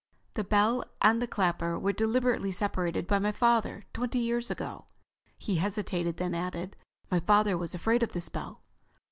"The bell and the clapper were deliberately separated by my father twenty years ago." He hesitated, then added: "My father was afraid of this bell."